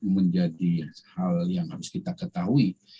menjadi hal yang harus kita ketahui